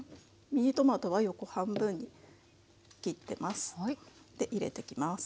ミニトマトは横半分に切ってます。